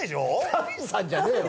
たびさんじゃねえよ！